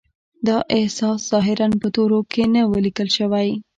دا احساس ظاهراً په تورو کې نه و لیکل شوی